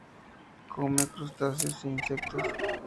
Come crustáceos y insectos.